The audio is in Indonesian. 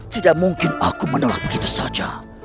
tidak mungkin aku menolak begitu saja